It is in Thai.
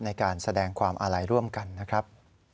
ในการแสดงความอาลัยร่วมกันนะครับ